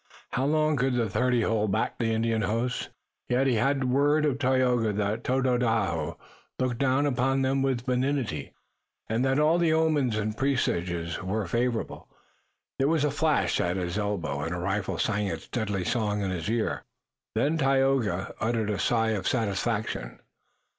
How long could the thirty hold back the Indian hosts? Yet he had the word of Tayoga that Tododaho looked down upon them with benignity and that all the omens and presages were favorable. There was a flash at his elbow and a rifle sang its deadly song in his ear. Then Tayoga uttered a sigh of satisfaction.